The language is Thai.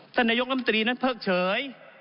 ถ้านายกน้ำตรีนั้นเพิ่งเฉย